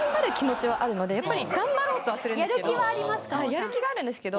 やる気があるんですけど。